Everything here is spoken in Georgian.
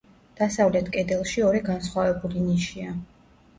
დასავლეთ კედელში ორი განსხვავებული ნიშია.